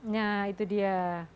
nah itu dia